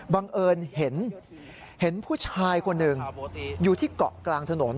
บังเอิญเห็นผู้ชายคนหนึ่งอยู่ที่เกาะกลางถนน